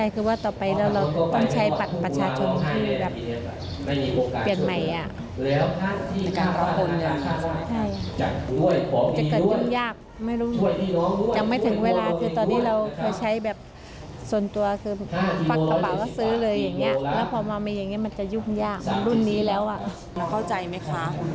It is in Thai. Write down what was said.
เข้าใจมากไม่เข้าใจมาก